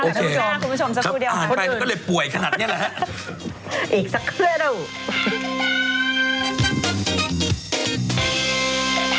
โอเคอ่านไปก็เลยป่วยขนาดเนี่ยแหละ